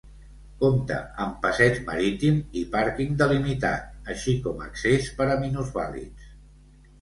Compta amb passeig marítim i pàrquing delimitat, així com accés per a minusvàlids.